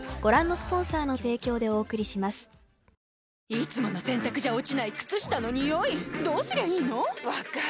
いつもの洗たくじゃ落ちない靴下のニオイどうすりゃいいの⁉分かる。